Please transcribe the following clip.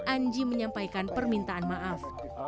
anji menyampaikan permintaan maaf